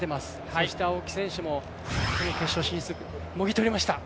そして青木選手もこの決勝進出、もぎ取りました。